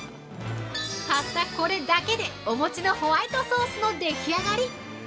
◆たったこれだけでお餅のホワイトソースのでき上がり。